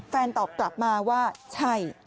ตอบกลับมาว่าใช่